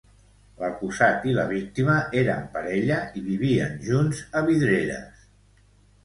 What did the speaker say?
L'acusat i la víctima eren parella i vivien junts a Vidreres.